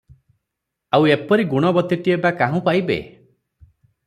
ଆଉ ଏପରି ଗୁଣବତୀଟିଏ ବା କାହୁଁ ପାଇବେ?